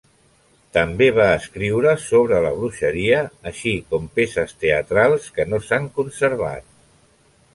També va escriure sobre la bruixeria, així com peces teatrals que no s'han conservat.